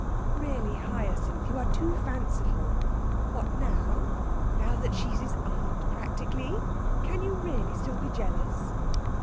'Really, Hyacinth, you are fanciful! What now, now that she's his aunt practically? Can you really still be jealous?'